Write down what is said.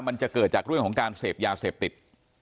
มันจะเกิดจากเรื่องของการเสพยาเสพติด